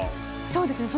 そうですね